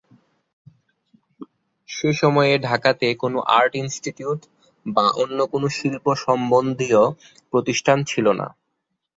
সে সময়ে ঢাকাতে কোনো আর্ট ইনস্টিটিউট বা অন্য কোনো শিল্প সম্বন্ধীয় প্রতিষ্ঠান ছিল না।